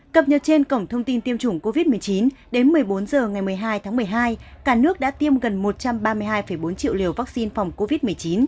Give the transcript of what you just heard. cập nhật trên cổng thông tin tiêm chủng covid một mươi chín đến một mươi bốn h ngày một mươi hai tháng một mươi hai cả nước đã tiêm gần một trăm ba mươi hai bốn triệu liều vaccine phòng covid một mươi chín